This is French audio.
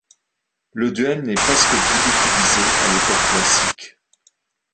Le duel n'est presque plus utilisé à l'époque classique.